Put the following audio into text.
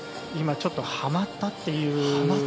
今、ちょっとはまったっていう。